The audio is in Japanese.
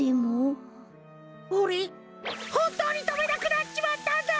おれホントにとべなくなっちまったんだ！